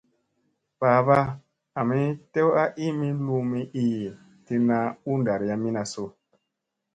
Babaa ,ami tew a iimi lumu ii tilla u ɗarayamina su ?